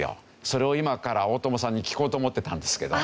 それを今から大友さんに聞こうと思ってたんですけど。